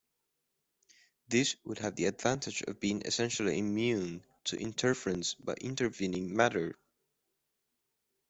These would have the advantage of being essentially immune to interference by intervening matter.